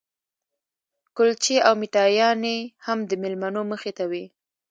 کلچې او میټایانې هم د مېلمنو مخې ته وې.